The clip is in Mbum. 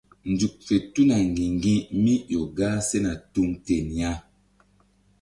Nzuk tuna ŋgi̧ŋgi̧mí ƴo gah sena tuŋ ten ya.